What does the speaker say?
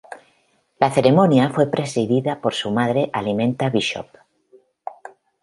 La ceremonia fue presidida por su madre Alimenta Bishop.